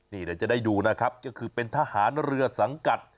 เดี๋ยวจะได้ดูนะครับก็คือเป็นทหารเรือสังกัด